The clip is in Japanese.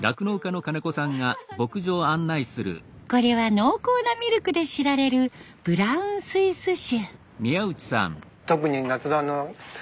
これは濃厚なミルクで知られるブラウンスイス種。